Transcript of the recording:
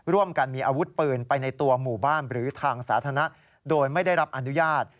ร่วมกันมีอาวุธปืนไปในตัวหมู่บ้านหรือทางสาธารณะโดยไม่ได้รับอนุญาต